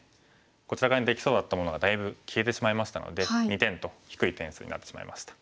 こちら側にできそうだったものがだいぶ消えてしまいましたので２点と低い点数になってしまいました。